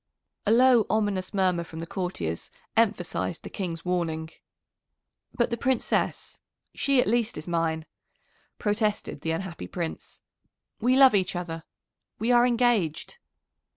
A low, ominous murmur from the courtiers emphasised the King's warning. "But the Princess she at least is mine," protested the unhappy Prince. "We love each other we are engaged."